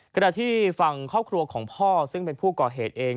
ขณะที่ฝั่งครอบครัวของพ่อซึ่งเป็นผู้ก่อเหตุเอง